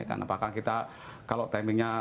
apakah kita kalau timing nya